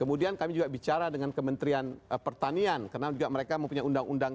kemudian kami juga bicara dengan kementerian pertanian karena juga mereka mempunyai undang undang